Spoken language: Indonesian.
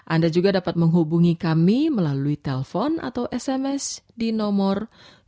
anda juga dapat menghubungi kami melalui telpon atau sms di nomor